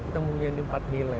kita memiliki empat nilai